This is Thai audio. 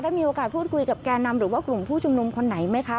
มีโอกาสพูดคุยกับแก่นำหรือว่ากลุ่มผู้ชุมนุมคนไหนไหมคะ